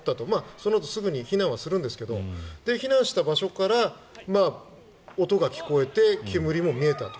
そのあとすぐに避難するんですが避難した場所から音が聞こえて煙も見えたと。